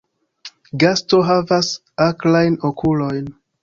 Gasto havas akrajn okulojn.